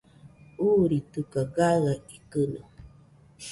Uuritɨkaɨ gaɨa ikɨno